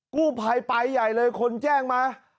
กู้ไพร์ใหญ่เลยคนแจ้งมา